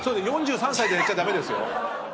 ４３歳でやっちゃ駄目ですよ。